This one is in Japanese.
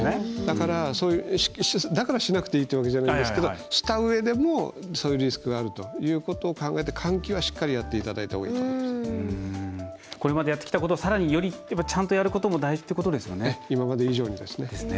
だから、しなくていいというわけじゃないんですけどしたうえでもそういうリスクがあるということを考えて換気はしっかりやっていただいたほうがいいとこれまでやってきたことをちゃんとやることも大事ということですね。